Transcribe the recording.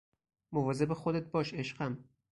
مواظب خودت باش عشقم